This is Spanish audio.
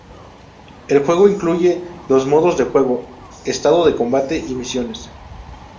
El juego incluye los modos de juego: "Estado de Combate" y "Misiones".